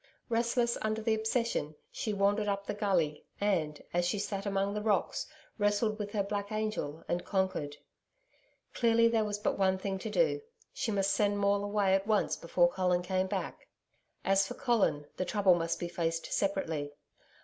Restless under the obsession, she wandered up the gully and, as she sat among the rocks, wrestled with her black angel and conquered. Clearly there was but one thing to do. She must send Maule away at once before Colin came back. As for Colin, that trouble must be faced separately.